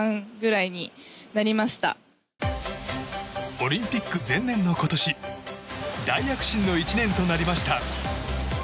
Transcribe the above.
オリンピック前年の今年大躍進の１年となりました。